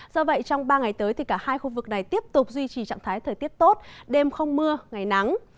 do vậy trong ba ngày tới thì cả hai khu vực này tiếp tục duy trì trạng thái thời tiết tốt đêm không mưa ngày nắng